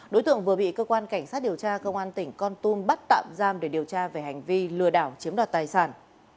đối tượng vừa bị cơ quan cảnh sát điều tra công an tỉnh con tum bắt tạm giam để điều tra về hành vi lừa đảo chiếm đoạt tài sản